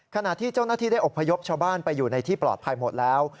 ขณะที่เจ้าหน้าที่ได้อบพยพชาวบ้านไปอยู่ในที่ปลอดภัยหมดแล้ว